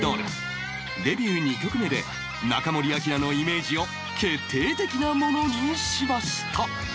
デビュー２曲目で中森明菜のイメージを決定的なものにしました